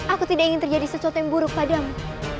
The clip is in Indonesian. aku tidak ingin terjadi sesuatu yang buruk padamu